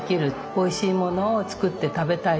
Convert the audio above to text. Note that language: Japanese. おいしいものを作って食べたいと。